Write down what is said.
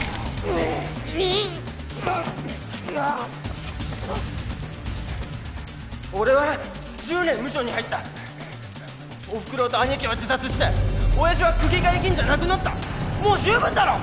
うっ俺は１０年ムショに入ったお袋と兄貴は自殺して親父は区議会議員じゃなくなったもう十分だろ？